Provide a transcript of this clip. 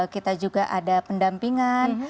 kita juga ada pendampingan